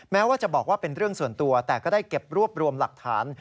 แม้ว่าจะบอกว่าเป็นเรื่องส่วนตัวแต่ก็ได้เก็บรวบรวมหลักฐาน